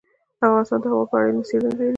افغانستان د هوا په اړه علمي څېړنې لري.